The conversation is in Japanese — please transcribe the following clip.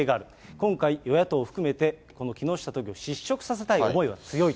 今回、与野党含めて、この木下都議を失職させたい思いは強いと。